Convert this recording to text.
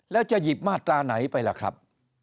แล้วจะหยิบมาตราไหนไปล่ะครับ